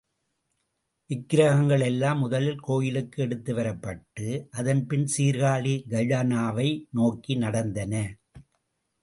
விக்ரகங்கள் எல்லாம் முதலில் கோயிலுக்கு எடுத்துவரப்பட்டு அதன்பின் சீர்காழி கஜானாவை நோக்கி நடந்தன.